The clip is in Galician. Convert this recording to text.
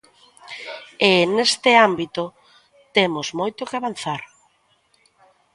E, neste ámbito, temos moito que avanzar.